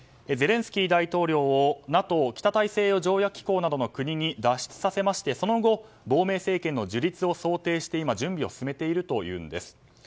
ゼレンスキー大統領をＮＡＴＯ・北大西洋条約機構などの国に脱出させましてその後、亡命政権の樹立を想定して準備を進めているというんです。